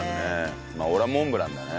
俺はモンブランだね。